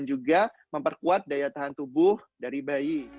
juga memperkuat daya tahan tubuh dari bayi